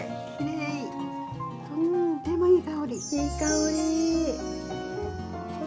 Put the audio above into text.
いい香り。